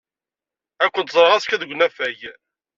Ad kent-ẓreɣ azekka deg unafag.